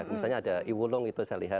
misalnya ada iwulung itu saya lihat